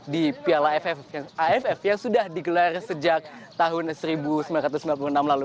di piala aff yang sudah digelar sejak tahun seribu sembilan ratus sembilan puluh enam lalu